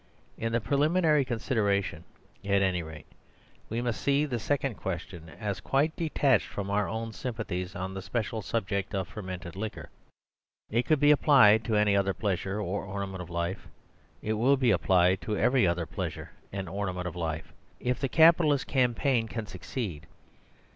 In the preliminary consideration, at any rate, we must see the second question as quite detached from our own sympathies on the special subject of fermented liquor. It could be applied to any other pleasure or ornament of life; it will be applied to every other pleasure and ornament of life if the Capitalist campaign can succeed.